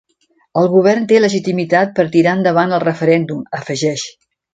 El govern té legitimitat per a tirar endavant el referèndum, afegeix.